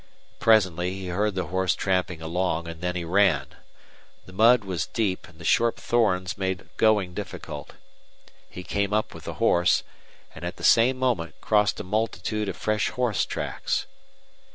Presently he heard the horse tramping along, and then he ran. The mud was deep, and the sharp thorns made going difficult. He came up with the horse, and at the same moment crossed a multitude of fresh horse tracks.